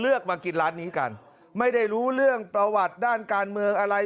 มากินร้านนี้กันไม่ได้รู้เรื่องประวัติด้านการเมืองอะไร